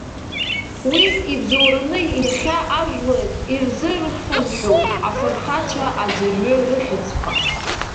Уи ибзоураны иахьа ажәлар ирзырхынҳәуп афырхацәа аӡәырҩы рыхьӡқәа.